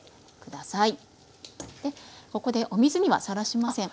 ここでお水にはさらしません。